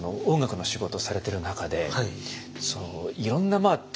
音楽の仕事をされている中でいろんなまあ